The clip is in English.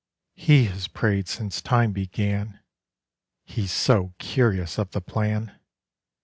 He has prayed since time began, He's so curious of the Plan!